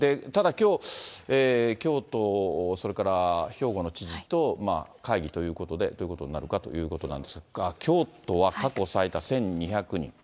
ただきょう、京都、それから兵庫の知事と会議ということで、どういうことになるかということなんですが、京都は過去最多１２００人。